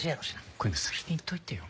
こういうの先に言っといてよ。